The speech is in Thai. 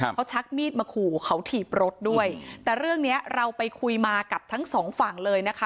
เขาชักมีดมาขู่เขาถีบรถด้วยแต่เรื่องเนี้ยเราไปคุยมากับทั้งสองฝั่งเลยนะคะ